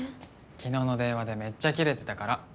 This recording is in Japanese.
昨日の電話でめっちゃキレてたから。